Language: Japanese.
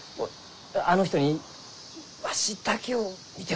あの人にわしだけを見てほしい。